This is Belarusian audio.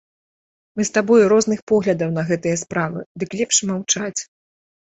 Мы з табою розных поглядаў на гэтыя справы, дык лепш маўчаць.